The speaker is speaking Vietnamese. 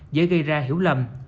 dễ gây ra hiểu lầm